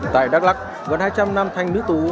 tại đắk lắc gần hai trăm linh năm thanh nước tù